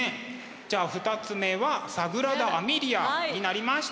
じゃあ２つ目は「サグラダ・編みリア」になりました。